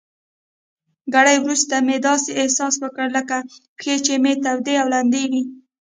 ګړی وروسته مې داسې احساس وکړل لکه پښې چي مې تودې او لندې وي.